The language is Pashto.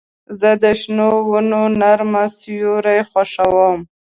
زه د شنو ونو نرمه سیوري خوښوم.